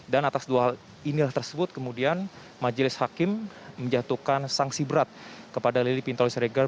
dan atas dua hal inilah tersebut kemudian majelis hakim menjatuhkan sanksi berat kepada lili pintauli siregar